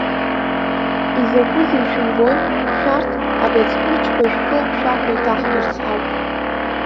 Изакәызеи шәымбои, шәарҭ агаӡҳәыџьқәа, шәхы шәақәиҭаҳтәырцоуп.